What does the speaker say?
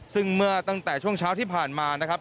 ซึ่งเมื่อตั้งแต่ช่วงเช้าที่ผ่านมานะครับ